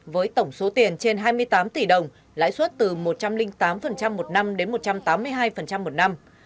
với tổng số tiền trên hai mươi tám tỷ đồng lãi suất từ một trăm linh tám một năm đến một trăm tám mươi hai một năm